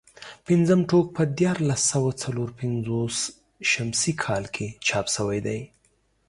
پنځم ټوک په دیارلس سوه څلور پنځوس شمسي کال کې چاپ شوی دی.